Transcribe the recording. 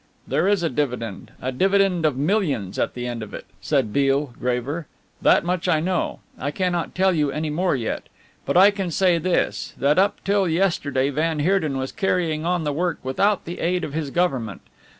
"There is a dividend a dividend of millions at the end of it," said Beale, graver, "that much I know. I cannot tell you any more yet. But I can say this: that up till yesterday van Heerden was carrying on the work without the aid of his Government.